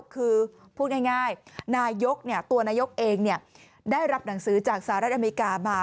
คือพูดง่ายนายกตัวนายกเองได้รับหนังสือจากสหรัฐอเมริกามา